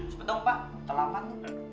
sebetulnya pak telapan